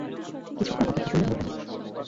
কিছুক্ষণ অপেক্ষা করলে মরবে না।